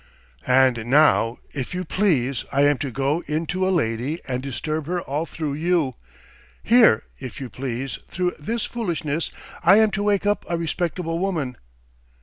..." "And now, if you please, I am to go in to a lady and disturb her all through you! Here, if you please, through this foolishness I am to wake up a respectable woman."